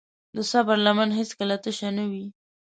د صبر لمن هیڅکله تشه نه وي.